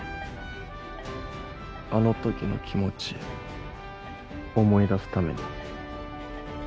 あのときの気持ち思い出すために。